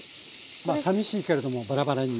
まあさみしいけれどもバラバラに。